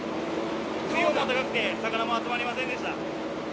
気温も暖かくて、魚も集まりませんでした。